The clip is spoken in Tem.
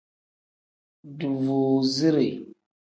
Duvuuzire.